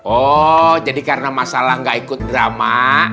oh jadi karena masalah gak ikut drama